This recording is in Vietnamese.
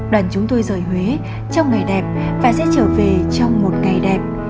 đoàn chúng tôi rời huế trong ngày đẹp và sẽ trở về trong một ngày đẹp